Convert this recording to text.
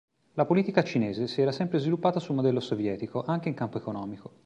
La politica cinese si era sempre sviluppata su modello sovietico anche in campo economico.